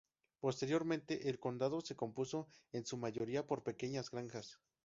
Posteriormente, el condado se compuso en su mayoría por pequeñas granjas.